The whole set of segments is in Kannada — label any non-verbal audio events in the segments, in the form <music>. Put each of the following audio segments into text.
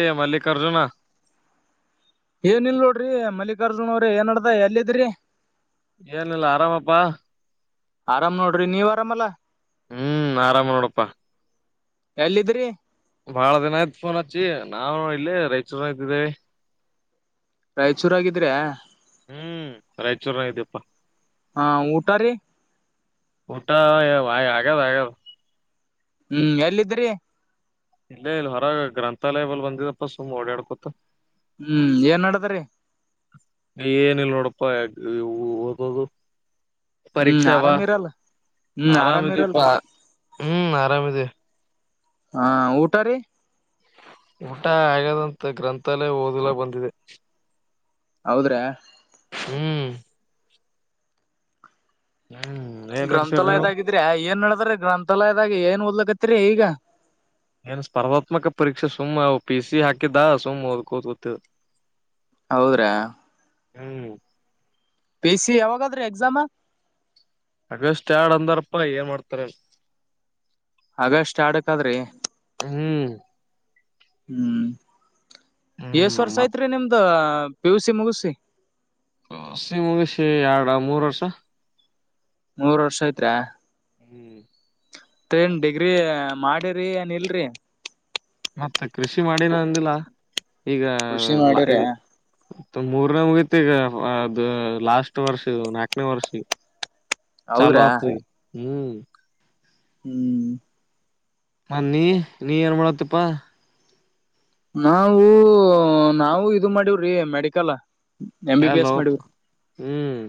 ಹ ಮಲ್ಲಿಕಾರ್ಜುನ ಏನ್ ಇಲ್ ನೋಡ್ರಿ ಮಲ್ಲಿಕಾರ್ಜುನ್ ಅವ್ರಿ ಏನ್ ಅಡ್ದ ಎಲ್ಲಿದ್ರಿ ಏನಿಲ್ಲ ಆರಾಮಪ್ಪಾ ಆರಾಮ್ ನೋಡ್ರಿ ನೀವ್ ಆರಾಮಲ್ಲಾ ಹ್ಮ್ ಆರಾಮ ನೋಡಪ್ಪಾ ಎಲ್ಲಿದ್ರಿ ಬಹಳ ದಿನ ಆಯ್ತ್ ಫೋನ್ ಅಚ್ಚಿ ನಾ ಇಲ್ಲಿ ರೈತೂರು ಇದ್ದಿದ್ದೇವಿ ರಾಯಚೂರಗಿದ್ರೆ ಹ್ಮ್ ರಾಯಚೂರ್ನಾಗಿದ್ಯಪ್ಪಾ ಹಾ ಊಟ ರೀ ಊಟಾ ಆಗೆ ಆಗ ಹ್ಮ್ ಎಲ್ಲಿದ್ರಿ ಇಲ್ಲೇ ಇಲ್ ಹೊರಗ ಗ್ರಂಥಾಲಯಲ್ ಬಂದಿದಪ್ಪ ಸುಮ್ಮ್ ಓಡಾಡ್ಕೊತ ಹ್ಮ್ ಏನ್ ಮಾಡಡದರಿೀ ಏನಲ್ ನೋಡಪ್ಪಾ ಯ ಓದದು ಹ್ಮ್ ಪರೀಕ್ಷೆಾವಾ ಆರಾಮ್ ಇರಲ್ಲ ಹ್ಮ್ ಆರಾಮ್ ಆರಾಮದೆ ಪ ಇರಲ್ರಿ ಹ್ಮ್ ಆರಾಮದೆ ಹಾ ಊಟ ರೀ ಊಟ ಆಗಾದಂಥ ಗ್ರಂಥಾಲೇ ಓದಿಲ್ಲ ಬಂದಿದೆ ಹೌದ್ರ ಹ್ಮ್ ಹ್ಮ್ ಏನ್ ನಡ್ಸಿರಿ ನೀವು ಗ್ರಂಥಾಲಯದಾಗಿದ್ರೆ ಏನ್ ಹೇಳ್ದ್ರ ಗ್ರಂಥಾಲಯದಾಗ ಒಲ್ಲಗತರೆ ಈಗ ಏನ್ ಸ್ಪರ್ಧಾತ್ಮಕ ಪರೀಕ್ಷೆ ಸುಮ್ ಪಿ ಸಿ ಹಾಕಿದ್ದ ಸುಮ್ ಓದ್ಕೋದ್ ೊತ್ ಹೌದ್ರಾ ಹ್ಮ್ ಪ ಸಿ ಯಾವಾಗಾದ್ರೀ ಎಕ್ಸಾಮ ಅಗಷ್ಟ ಆಡ್ ಅಂದಾರಪ ಏನ್ ಮಾಡ್ತಾರ ಆಗಷ್ಟ ಆಡಕ್ದ್ರಿ ಹ್ಮ್ ಹ್ಮ್ ಏಷ್ಟ ಹ್ಮ್ ವರ್ಷ ಮತ್ ಐತ್ರಿ ನಿಮ್ದ ಪೇಿಸಿ ಮುಗುಿಸಿ ಹಸ ಮುಗಿಸಿ ಎರಡು ಮೂರ್ ವರ್ಷ ಮೂರ್ ವರ್ಷ ಐತ್ರಾ ಹ್ಮ್ ೇನ್ ಡಿಗ್ರಿ ಮಾಡಿರಿ ಏನ್ ಇಲ್ರಿ ಮತ್ತ ಕೃಷಿ ಮಾಡಿನ ಅಂದಿಲ್ಲ ಈಗ ಕೃಷಿ ಮಾಡಿರಿ ಇದು ಮೂರ್ನೇ ಮುಗ ಗ ಅದು ಲಾಸ್ಟ್ ವರ್ಷ ನಾಲ್ಕನೇ ವರ್ಷ ಚಲೋ ಹೌದ್ರಾ ಆತ ಹ್ಮ್ ಹ್ಮ್ ಮನ್ನಿ ನೀ ಏನ್ ಮಾಡತ್ತಪ್ಪಾ ನಾವು ನಾವವು ಇದು ಮಾಡಿವ್ರಿ medical M B B hello S ಮಾಡೀವ್ರಿ ಹ್ಮ್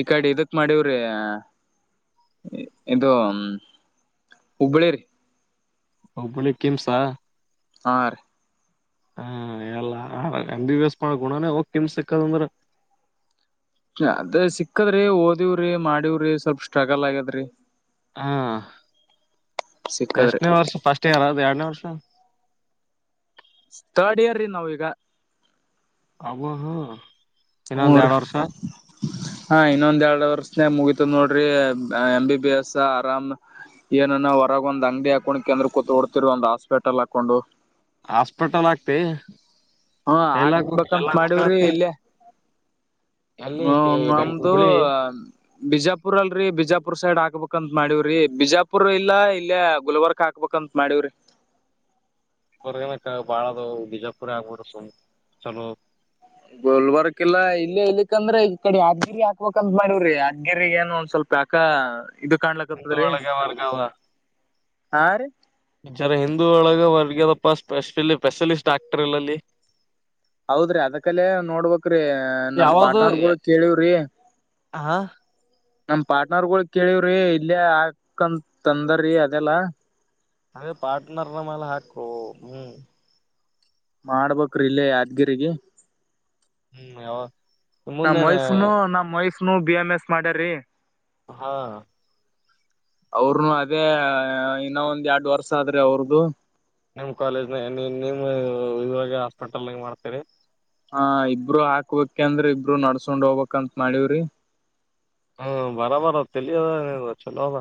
ಈ ಕಡೆ ಇದಕ್ ಮಾಡಿವ್ರಿ ಇದು ಹುಬ್ಬಳಿ ರರಿ ಹಬನಿ ಕೆಮ್ಸಾ ಹಾ ರೀ ಹಾ ಎಲ್ಲ ಎ ವಸ್ ಮಾಡ ಗುಣಾನೇ ಹೋಗಕಮ ಸಿಕ್ಕದಂದ್ರ ಅದ ಸಿಕ್ಕದ್ರಿ ಓದವ್ರಿ ಮಾಡವ್ರಿ ಸ್ವಲ್ಪ ಸ್ಟ್ರಗಲ್ ಆಗ್ಯದ್ರಿ ಹಾ ಸಿಕ್ಕದ್ರಿ ಎಷ್ಟನೇ ವರ್ಷ ಫಸ್ಟ್ ಇಯರ್ ಅದು ಎರಡನೇ ವರ್ಷ ಅ ತರ್ಡ್ ಇಯರ್ ರೀ ನಾವವು ಈಗ ಹಬ ಹಾ ಮೂಊರ ಹಾ ಇನ್ನೊಂದ ಎರ ವರ್ಷನೆ ಮುಗಿತದ್ ನೋಡ್ರಿ ಎಂ ಬಿ ಎಸ್ ಆರಾಮ್ ಏನನ ಹೊರಗ ಒಂದ್ ಅಂಗಡಿ ಹಾಕೊಂಡ್ ಕೆಂದ್ರ ಕೂತ್ಡ್ತಿರಿ ಒ್ ಹಾಸ್ಪಿಟಲ್ ಹಾಕೊಂಡು ಹಾಸ್ಪಿಟಲ್ ಆಗ್ತಿ ಹಾ ಎಲ್ಲ ಹಾಕ್ಬೇಕಂತ ಎಲ್ಲ ಮಾಡವ್ರಿ ಗೊತ್ತತಿ ಇಲ್ಲೇ ಅಲ್ಲಿ ಹ್ಮ ನಮ್ದು ಹುಬ್ಳಿ ಬಿಜಾಪುರ ಅಲ್ರಿ ಬಿಜಾಪುರ್ ಸೈಡ್ ಹಾಕ್ ಹಾಕ್ಬಂತತ್ ಮಾಡವ್ರಿ ಬಿಜಾಪುರ್ ಇಲ್ಲಾ ಇಲ್ಲಯ ಗುಲ್ಬರ್ಗ ಹಾಕ್ಬೇಕಂತ ಮಾಡವ್ರಿ ಬಾಳದು ಬಜಾ ಆಗಬ ಚಲೋ ಗೊಲ್ಬರ್ಕ ಇಲ್ಲಾ ಇಲ್ಲ ಇಲ್ಲಿಕ್ಕಂದ್ರೆ ಈ ಕಡೆ ಹದ್ಗಿರಿ ಹಾಕ್ಬೇಕಂತ ಮಾಡಿವವ್ರಿ ಅದ್ಗಿರಿಗ ಏನು ಒಂದ್ ಸ್ವಲ್ಪ ಯಾಕ ಇದು ಹಿಂದೂ ಕಾಣ್ಲಕ್ಕತದ್ರೀ ಒಳಗ ವರ್ಗ ಅದ ಹಾ ರೀ ಜರ ಹಿಂದೂ ಒಳಗ ವರ್ಗ್ಯದಪ್ಪ ಸ್ಪ ಸ್ಪೆಷಲಿಸ್ಟ್ ಡಾಕ್ಟರ್ ಇಲ್ಲಲ್ಲಿ ಹೌದ್ರಿ ಅದಕ್ಕಲೆೇ ನೋಡ್ಬಕ್ ಅಕ್ರೀ ನಮ್ ಯಾವ್ದ ಪಾರ್ಟ್ನರ್ಗಳು ಕೇಳವ್ರಿ ಹ ನಮ ಪಾರ್ಟ್ನರ್ ಗಳು ಕೇಳವ್ರಿ ಇಲ್ಲೇ ಹಾಕಂತ ತಂದರಿ ಅದೆಲ್ಲಾ ಹಾಗೇ ಪಾರ್ಟ್ನರ್ ನ ಮೇಲೆ ಹಾಕೋ ಹ್ಮ್ ಮಾಡ್ಬೇಕ್ರ ಇಲ್ಲೇ ಯಾದ್ಗಿರಿಗೆ ಹ್ಮ್ ಯಾವ ನಾ ಮುಂದೆನೆ ಮೈಫನು ನಮ್ಮ್ ಮೈಫ ನ ಬಿ ಎಂ ಎಸ್ ಮಾಡ್ಯ್ರರಿ ಹಾ ಅವರುನು ಅದೇ ಇನ್ನ ಒಂದ್ ಎರಡ್ ವರ್ಷ ಆದ್ರೆ ಅವ್ರದು ನಿಮ್ಮ್ ಕಾಲೇಜ್ನ ನಿಮ್ಮ ಇವಾಗ ಹಾಸ್ಪಿಟಲ್ ನಾಗ ಮಾಡ್ತೀರಿ ಹಾ ಇಬ್ರುೂ ಹಾಕ್ಬೇಕ ಅಂದ್ರ ಇಬರುೂ ನಡ್ಸ್ಕೊಂಡ್ ಹೋಗ್ಕ್ಂತ ಮಾಡವ್ರಿ ಹ್ಮ್ ಬರಬರ ತಲ್ಲಿದ ಚಲೋದ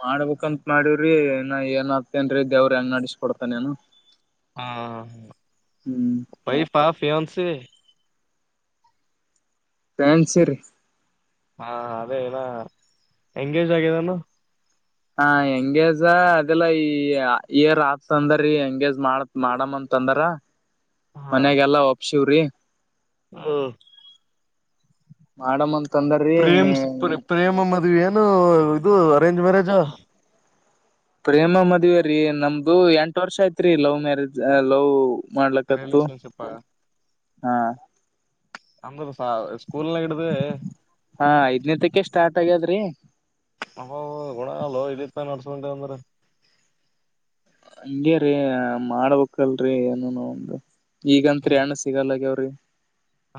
ಮಾಡ್ಬೇಕಂತತ್ ಮಾಡಿವವ್ರಿ ಇನ್ನ ಏನ್ ಆಗ್ತೇನ್ೀ ದೇವ್ರ ಹೆಂಗ ನಡಸ್ಕೊಡ್ತಾನೇನು ಹಾ ಹ್ಮ್ ಬೈ ಪಾಫಿನ್ಸ ನ್ ಸರಿ ಹಾ ಅದೇ ಏನ ಎಂಗೇಜ್ ಆಗಿದಾನ ಹ ಹೆಂಗೇಜ ಅದೆಲ್ಲಾ ಈ ಏರ್ ಆತ್ ಅಂದರಿ ಹೆಂಗೇಜ್ ಮಾಡತ್ ಮಾಡಮ್ಮ ಅಂತಂದ್ರ ಮನ್ಯಾಗಲ್ಲ ಒಪ್ಷನ್ ಚೂರಿ ಹ್ಮ ಮಾಡಡ್ಂತ ಪ್ರೇಮ್ ಪ್ರೇಮ ಮದುವೆ ಏನು ಇದು ಅರೆೇಂಜ್ ಮ್ಯಾರೇಜ್ಾ ಪ್ರೇಮ ಮದ್ವ ರೀ ನಮ್ದು ಎಂಟ ವರ್ಷ ಯ್ತ್ೀ ಲವ್ ಮ್ಯಾರೇಜ್ ಲವ್ ಮಾಡ್ಲತ್ತು ರಿಲೇಷನ್ಶಿಪ್ ಹ ಅಂದ್ರ ಸ್ಕೂಲ್ನ ಹಿಡ್ದ ಹ ಐದ್ನಟಕ್ಕೆ ಸ್ಟಾರ್ಟ್ ಆಗ ರೀ ಅ ಗುಣ ಅಲ್ಲೋ ಇಡೀತ್ತ ನಡ್ಸ್ಕಟೆ ಅಂದ್ರ ಹಂಗಗೆ ರೀ ಮಾಡ್ಬೇಕಲ್ರರಿ ಏನು ನ ಒಂದು ಈಗಂತ್ರಿ ಹಣ ಸಿಗಲ್ಲ ಹ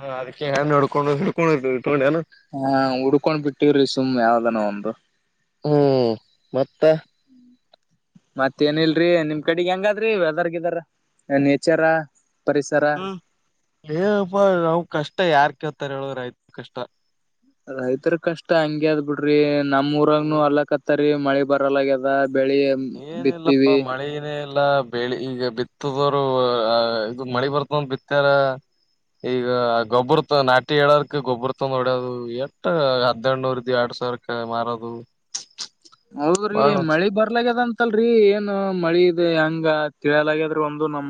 ಹಾ ಅದಕ್ಕೆ ನೋಡ್ಕೊಂಡು ಹಡ್ಕೊಂಡಿರ್ ಹಾ ಉಡ್ಕೊಂಡ್ ಬಿಟ್ಟಿ್ರಿ ತುಮ ಯಾವ್ದನೋ ಒಂದು ಹ್ಮ್ ಮತ್ತ ಮತ್ತ ಏನ ಇಲ್ರರಿ ನಿಮ್ ಕಡೆಗ್ ಹೆಂಗಾದ್ರಿ ವೆದರ್ಗ ಇದರ ನೇಚರ ಪರಿಸರ ಹ್ಮ್ ಏನಪ್ಪಾ ನಾವ್ ಕಷ್ಟ ಯಾರ್ಕತ್ತ ಹತ್ತಳರ ಆಯ್ತು ಕಷ್ಟ ರೈತರು ಕಷ್ಟ ಹೆಂಗಗೆದ್ ಬಿಡ್ರಿ. ನಮ್ಮ್ ಊರಾಗನು ಅಲ್ಲ ಕತ್ತರಿ ಮಳೆ ಬರಲ್ಲದ ಬೆಳಿ ಬಿತ್ತೀವಿ. ಎಲ್ಲ ಬೆಳಿ ಈಗ ಬಿತ್ತದವರು ಇದು ಮಳಿ ಬರ್ತಂದ ಬಿತ್ತಾರ ಈಗ ಗೊಬ್ಬರ ನಾಟಿ ಏಳರ್ಕ ಗೊಬ್ಬರ ತಂದ ಹೊಡ್ಯದು ಎಟ್ಟ ಹದಿನಡುನೂರ್ ಇದವಿ ಆಡ್ ಸಾವಿರಕ್ಕೆ ಮಾರೋದು. ಹೌದ್ರಿ ಬಾಳ್ ಲುಕ್ಸ್ ಮಳಿ ಬರ್ಲಾಗ್ಯದಂತ. ತ್ತಲ್ರರಿ ಏನ್ ಮಳಿ ಇದೆ ಹೆಂಗ ತಿಳಲಗ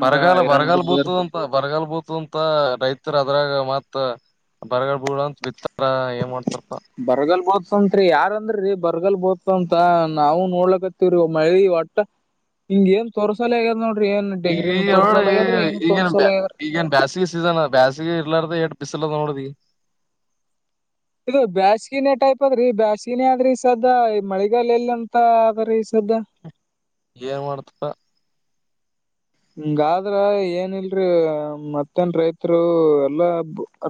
ಬರಗಾಲ ಬರಗಾಲ್ ಬೂತದ ಅಂತ ಬರಗಾಲ್ ಬೂತ ಅಂತ ರೈತ ಅದ್ರಾಗ ಮತ್ ಬರಗಡ್ ಬಡ ಅಂತ ಬಿತ್ತ ಬರಗಲ್ ಬೋತ್ಸತ್ರಿ ಯಾರಂದ್ರೀ ಬರ್ಗಲ್ ಬೋತ್ಸಂತ. ನಾವು ನೋಡ್ಲಕ್ಕತ್ತೀವ್ರಿ ಒಬ್ ಮಹಳಿ ಒಟ್ಟ ಹಿಂಗ ಏನ್ ತೊರಸಾಲ ಆಗ್ಯ ನೋಡ್ರ ಈಗ ಈಗ ಈ ಈಗನ್ ತೋರ್ಸಲ್ಲ ಆಗ್ಯದ್ರಿ ಈಗೇನ್ ಬೇಸಿಗೆ ಸೀಸನ್ ಬೇಸಿಗೆ ಇರ್ಲಾರ್ದ ಎ ಬ ನ ಇದು ಬ್ಯಾಸಗಿನ ಟೈಪ್ ಅದ್ರೀ ಬ್ಯಾಾಸಗಿನೆ ಆದದ್ರಿ ಸದ ಈ ಮಳೆಗಾಲ ಎಲ್ಲಂತ ಅ ಸದ ಏನ್ ಮಾಡತಪ್ಪ ಹಂಗಾದ್ರ ಏನ ಇಲ್ರಿ ಮತ್ತನ್ ರೈತರು ಎಲ್ಲಾ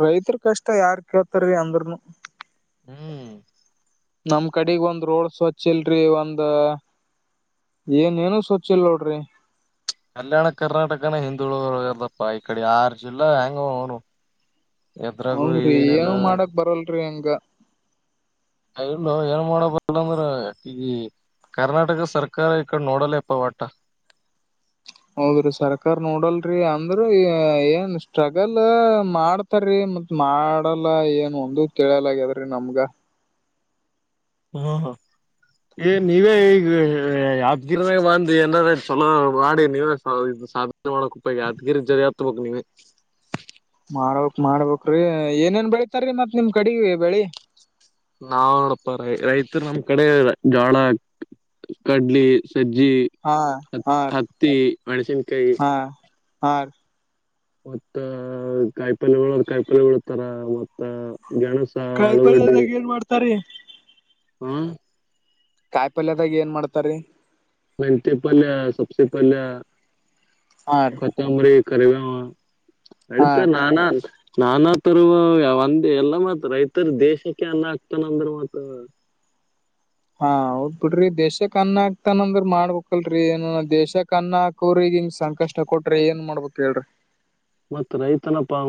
ರೈತ್ರರು ಕಷ್ಟ ಯಾರ್ ಕೇಳ್ತಾರೀ ಅಂದ್ರನು. ಹ್ಮ್ ನಮ್ ಕಡೆಗ್ ಒಂದ್ ರೋಡ್ ಸ್ವಚ್ ಇಲ್ರಿ ಒಂದ ಏನ ಏನು ಸ್ವಚ್ ಇಲ್ ನೋಡ್ರಿ‌ ಕಲ್ಯಾಣ ಕರ್ನಾಟಕನ ಹಿಂದುಳಗದಪ್ಪ ಈ ಕಡೆ ಯಾರ ಜಿಲ್ಲಾ ಹೆಂಗ ಅವನು. ಎದ್ರಾಗೂ ಹಂಗ್ರರಿ ಏನಿಲ್ಲ ಏಾವ್ ಮಾಡಕ್ ಬರಲ್ರಿ ಹಂಗ ಗ ಲ್ಲ ಏನ್ ಮಾಡಬಲ್ಲ ಅಂದ್ರ ಈ ಕರ್ನಾಟಕ ಸರ್ಕಾರ ಈ ಕಡೆ ನೋಡಲ್ಲ ಪವಾಟ ಹೌದ್ರಿ ಸರ್ಕಾರ ನೋಡಲ್ರಿ ಅಂದ್ರೂ ಏನ್ ಸ್ಟ್ರಗಲ್ ಮಾಡ್ತಾರೀ ಮತ್ ಮಾಡಲ್ಲ ಏನ್ ಒಂದ ತಿಳಿಯಲ್ಲ ಆಗ್ಯದ್ರಿ, ನಮ್ಗ ಹ್ಮ ಹ ಏ ನೀವೇ ಈಗ ಯಾತ್ಗಿರಿನಾಗ ಬಂದು ಏನಾರ ಚಲೋ ಮಾಡಿ ನೀವೇ ಸಾಧನೆ ಮಾಡಕಪ್ಪ ಯಾದಗಿರಿ ಜರಿ ಹತಬೇಕ್ ನೀವ. ಮಾಡ್ಬಕ್ ಮಾಡ್ಬಕ್ ಏನೇನ್ ಬೆಳಿತಾರೀ ಮತ್ತ್ ನಿಮ ಕಡ ಬೆಳಿ ನಾವ ನೋಡಪ್ಪ ರ ರೈತ ನಮ್ ಕಡೆ ಜಾಳ ಕಡ್ಲಿ ಸಜ್ಜಿ ಹಾ ಹ ಹಾ ರೀ ಹತ್ತಿ ಮೆಣಸಿನ್ಕಾಯಿ ಹ ಮತ್ತ ಕಾಯಿ ಪಲ್ಗಳು ಕಾಯಿ ಪಲ್ಗಳುತಾರ ಮತ್ತ ಗೆಣಸ ಕಾಯಿಪಲ್ದಾಗ ಏನ್ ಮಾಡ್ತಾರ? ಹ್ಮ ಕಾಯಿ ಪಲ್ಯದಾಗ ಏನ್ ಮಾಡ್ತಾರ? ಮೆಂತ್ಯೆಪಲ್ಯ ಸಬ್ಸಿಪಲ್ಯ ಹಾ ರೀ ಕೊತ್ತಂಬರಿ ಕ ಹಾ ಅಳಿತ ರೀ ನಾನ ಅಂತ ನಾನತರ್ ಒಂದ ಎಲ್ಲ ಮತ್ ರೈತರು ದೇಶಕ್ಕೆ ಅನ್ನ ಆಗ್ತಾನಂದ್ರ ಮತ್ ಹಾ ಹೋಗದ ಬಿಡ್ರಿ ದೇಶಕ್ ಅನ್ನ ಆಗ್ತಾನಂದ್ರ ಮಾಡ್ಬಕ್ಲ್ರರಿ ಏನ ದೇಶಕ್ ಅನ್ನ ಹಾಕೋರಗ ನಿಮ ಸಂಕಷ್ಟ ಕೊಟ್ರಿ ಏನ್ ಮಾಡ್ಬಕ್ ಹೇಳ್ರಿ. ಮತ್ತ ರೈತನಪ್ಪ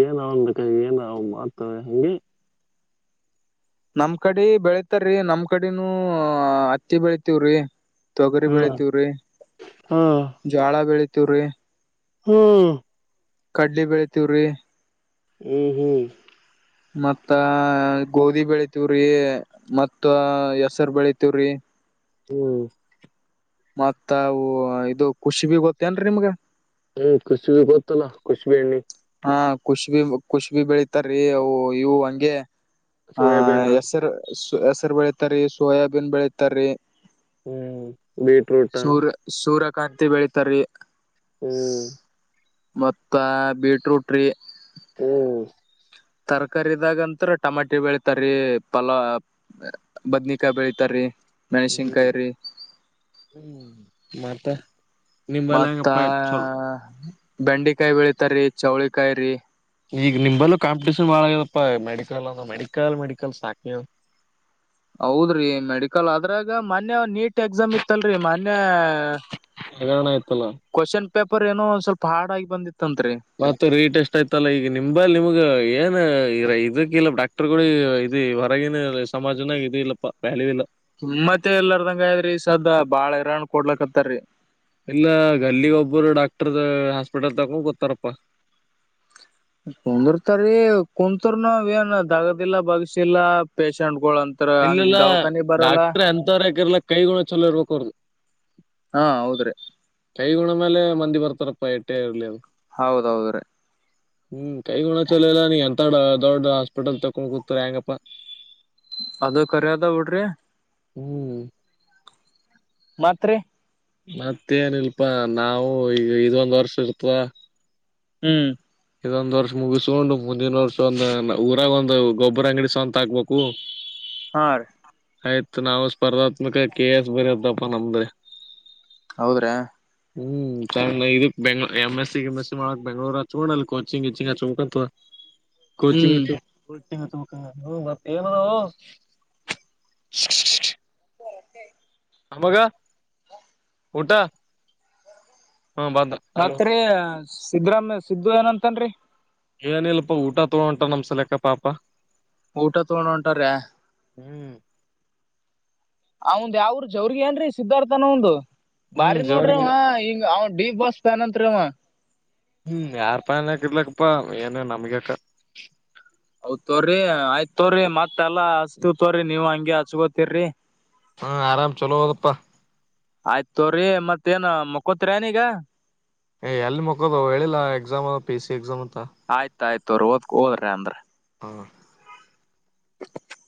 ಏನ ಅವನ್ ಏನ್ ಮಾಡ್ತವೆ ಹಿಂಗೆ. ನಮ್ ಕಡೆ ಬೆಳತಾರೀ ನಮ್ ಕಡನೂ ಹತ್ತಿ ಬೆಳಿತಿವ್ರಿ ತೊಗರಿ ಹಾ ಬೆಳಿತವ್ರಿ ಹಾ ಜೋಳ ಬೆಳಿತಿ ತುರಿ ಹ್ಮ್ ಕಡ್ಲಿ ಬೆಳಿತವ್ರಿ ಹ್ಮ್ ಹ್ಮ್ ಮತ್ತ ಆ ಗೋಧಿ ಬೆಳಿತವ್ರಿ ಮತ್ತ ಆ ಹೆಸರು ಬೆಳಿತವ್ರಿ ಹ್ಮ್ ಮತ್ತವು ಇದು ಖುಷಿಬಿ ಗೊತ್ತೇನ್ರಿ ನಿಮ್ಗ ಹು ಖುಷಬಿ ಗೊತ್ತಲ್ಲಾ ಖುಷಬಿ ಎಣ್ಣಿ ಹಾ ಖುಷಬಿ ಖುಷ್ಬಿ ಬೆಳಿತಾರೀ ಅ ಇವು ಹಂಗೆ ಹಾ ಸೋಯಾಬೀನ್ ಹೆಸರ ಹೆಸರು ಬೆಳೀತಾರೀ ಸೋಯಾಬೀನ್ ಬೆಳೀತಾರೀ ಹ್ಮ್ ಬಿಟ್ರೂಟ್ ಕಾಂತಿ ಬೆಳೀತಾರೀ ಮತ್ತ ಬಿಟ ಟ್ರೂಟ್ ರಿ ಹ್ಮ್ ತರಕಾರಿದಾಗಂತ್ರ ಟಮಾಟಿ ಬೆಳಿತಾರೀ ಪಲಾಾವ್ ಬದನಿಕಾಯಿ ಬೆಳಿತಾರೀ ಹ್ಮ್ ಹ್ಮ ಮತ್ತ ನಿಂಬಲ್ಲ ಮತ್ತ ಹೆಂಗಪ್ಪ ಆ ಚಲೋ ಬೆಂಡೆಕಾಯಿ ಬೆಳಿತಾರೀ ಚೌಳಿಿಕಾಯಿ ರೀ ಈಗ ನಿಮಲ್ಲೂ ಕಾಂಪಿಟಷನ್ ಬಾಳ ಆಗಪ್ಪ ಮೆಡಿಕಲ್ಂದ ಮೆಡಿಕಲ್ ಮೆಡಿಕಲ್ ಸಾಕ್ ಆಗ್ಯದ ಹೌದ್ರಿ ಮೆಡಿಕಲ್ ಅದ್ರಾಗ ಮನ್ನೆ ನೀಟ್ ನೀಟ್ ಎಕ್ಸಾಮ್ ಇತ್ತ ಅಲ್ರಿ ಮೊನ್ನೆ ಹಗರಣ ಆಯ್ತಲ್ಲ ಕೊಶ್ಚನ್ ಪೇಪರ ಪೇಪರ ಏನೋ ಸ್ವಲ್ಪ ಹಾಡಾಗಿ ಬಿಂದಿತ್ತು ಮತ್ತ ರೇಟ್ ಎಷ್ಟ ಆಯ್ತಲ್ಲ ಈಗ ನಿಂಬ ನಿಮ್ಗ ಏನ್ ಇದಕ್ಕ ಇಲ್ಲ ಡಾಕ್ಟರ್ ಗಳು ಇದ ಹೊರಗಿನ ಸಮಾಜನಾಗ ಇದು ಇಲ್ಲಪ್ಪಾ ವ್ಯಾಲ್ಯೂ ಇಲ್ಲ ಕಿಮ್ಮತ್ತ ಎಲ್ಲಾರ್ದಂಗಯ್ರಿ ಸದ್ದ ಬಾಳ ಹರಾಣ ಕೊಡ್ಲಕ್ತ್ತರಿ ಇಲ್ಲ ಗಲ್ಲಿಗೆ ಒಬ್ಬರು ಡಾಕ್ಟರ್ ಹಾಸ್ಪಿಟಲ್ ತಕೊಂಡ ಗೊತ್ತಾರಪ್ಪ ಕುಂದರ್ತರಿ ಕುತ್ರ್ನು ಏನ್ ದಗದಿಲ್ಲ ಬಗ್ಸಿಲ್ಲಾ ಪೇಶಂಟ್ ಇಲ್ಲಲ್ಲ ಡಾಕ್ಟ್ರ ಎಂತವರ ಹಕಿರ್ಲ್ಕ ಕೈ ಗುಣ ಚಲೋ ಇರ್ಬೇಕ ಹೊರ್ದು ಹಾ ಹೌದ್ರಿ ಕೈ ಗುಣ ಮೇಲೆ ಮಂದಿ ಬರ್ ಹಪಾಯ ಇಟ್ಟೇ ಇರಲಿದು ಹೌದು ಹೌದ್ರೀ ಹ್ಮ್ ಕೈ ಗುಣ ಚಲ ಇಲ್ಲ ನೀ ಎಂತ ದೊಡ್ಡ ಹಾಸ್ಪಿಟಲ್ ತಕ್ಕೊಂಡ್ ಕೂತರ ಹೆಂಗಪ್ಪಾ ಅದು ಕರೆಯದ ಬಿಡ್ರಿ ಹ್ಮ್ ಮತ್ತ ರೀ ಮತ್ತೇನಿಲ್ಪಾ ನಾವು ಈಗ ಇದೊಂದ್ ವರ್ಷ ಇರ್ತವಾ ಹ್ಮ್ ಇದೊಂದ್ ವರ್ಷ ಮುಗಿಸಕೊಂಡು ಮುಂದಿನ ವರ್ಷ ಒಂದ್ ಊರಾಗ ಒಂದ್ ಗೊಬ್ಬರ ಅಂಗಡಿ ಸ್ವಂತ ಹಾಕ್ಬೇಕು ಹಾ ಆಯ್ತು ನಾವು ಸ್ಪರ್ಧಾತ್ಮಕ ಕೆ ಎಸ್ ಬರತ್ತಪ್ಪ ನಮ್ದ ಹೌದ್ರಾ ಹ್ಮ್ ಚ ಇದು ಬೆಂಗ್ ಎ್ ಎಸ್ ಸಿ ಕೆಮಂ ಎಸ್ ಸಿ ಮಾಡಕ್ ಬೆಂಗ್ಳೂರ ಚೂಡಲ್ ಕ ಚಿಂಗ ಚಿಂಗ ಚೌಕತ್ವಾ ಕೊಚಿಂಗ್ ಹ್ಮ್ ತು ಬ <inaudible> <unintelligible> ನಮಗ ಊಟ ಹಾ ಬದೋಹಲೋ ಸಿದ್ದ್ರಾಮ್ಯ ಸಿದ್ದು ಏನಂತನ್ರಿ ಏನಲ್ಪಾ ಊಟ ತೊಗೋಂಟ ನಮ್ಸಲಕ್ಕ ಪಾಪ ಊಟ ತಗೊಂಡ ಉಂಟಾರ ಹ್ಮ್ ಅವ ಒಂದ ಯಾವ್ರ ಜ ಅವ್ರಿಗೆ ಏನ್ರೀ ಸಿದ್ಧಾರ್ಥನ ಒಂದು ಹ್ಮ್ ಬಾರಿ ನೋಡ್ರಿ ಜೋರಿಗೆ ಹಂಗ ಅವ ಡಿ ಬಾಸ್ ಫ್ಯಾನ್ ಅಂತ ರವ ಹ್ಮ್ ಯಾರ್ ಪನಕಿರ್ಲಕ್ಕಪ್ಪಾ ಏನು ನಮಗಕ ಹೌದ ತೋರ್ರಿ ಆಯ್ತ್ ತೋ್ರಿ ಮತ್ತಲ್ಲಾ ಅಷ್ಟು ತೋ್ರಿ ನೀವ್ ಹಂಗ ಹಚ್ಗೊತಿರಿ ಹಾ ಆರಾಮ್ ಚಲೋ ಹದಪ್ಪಾ ಆಯ್ತ ತೋ್ರಿ ಮತ್ತೇಏನ್ ಮುಕ್ಕೊತ್ರಿ ಏನೀಗ ಏ ಎಲ್ಲಿ ಮಗೋದು ಹೇಳಿಲ್ಲಾ exam P A C exam ಅ ಆಯ್ತಾಯಯ್ತು ತ ರೋತ್ ಹೋದರ ಅ್ರ ಹಾ <inaudible>